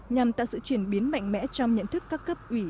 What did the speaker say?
nhằm tạo sự chuyển biến mạnh mẽ trong nhận thức các cấp ủy